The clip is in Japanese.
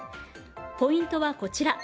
ポイントはこちら。